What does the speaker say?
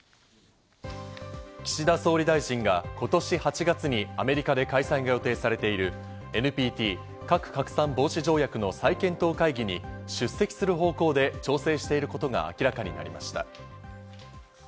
岸田総理大臣が今年８月にアメリカで開催が予定されているＮＰＴ＝核拡散防止条約の再検討会議に出席する方向で調整していることが明らかになりました。